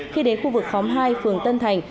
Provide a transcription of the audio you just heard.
khi đến khu vực khóm hai phường tân thành